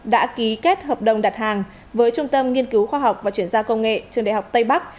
đã ký kết hợp đồng đặt hàng với trung tâm nghiên cứu khoa học và chuyển giao công nghệ trường đại học tây bắc